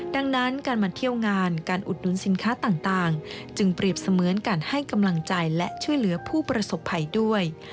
ดังนั้นการมาเที่ยวงานการอุดหนุนสินค้าต่างจึงเปรียบเสมือนการให้กำลังใจและช่วยเหลือผู้ประสบภัยด้วย